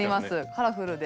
カラフルで。